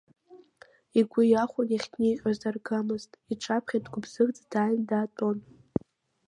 Игәы иахәон ихҭниҟьоз даргамызт, иҿаԥхьа дгәыбзыӷӡа дааины даатәон.